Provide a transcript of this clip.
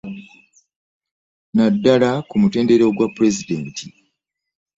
Naddala ku mutendera ogwa Pulezidenti.